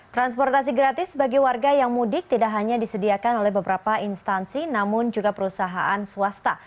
transportasi gratis bagi warga yang mudik tidak hanya disediakan oleh beberapa instansi namun juga perusahaan swasta